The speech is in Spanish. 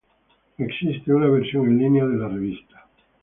Existe una versión en línea de la revista.